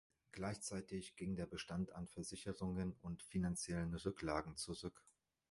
Gleichzeitig ging der Bestand an Versicherungen und finanziellen Rücklagen zurück.